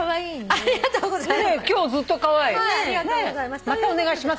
ありがとうございます。